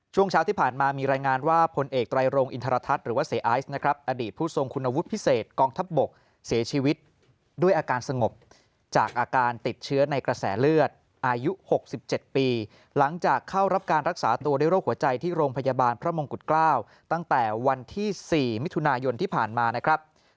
ช่วงเช้าที่ผ่านมามีรายงานว่าพลเอกไตรโรงอินทรทัศน์หรือว่าเสียไอซ์นะครับอดีตผู้ทรงคุณวุฒิพิเศษกองทัพบกเสียชีวิตด้วยอาการสงบจากอาการติดเชื้อในกระแสเลือดอายุ๖๗ปีหลังจากเข้ารับการรักษาตัวด้วยโรคหัวใจที่โรงพยาบาลพระมงกุฎเกล้าตั้งแต่วันที่๔มิถุนายนที่ผ่านมานะครับ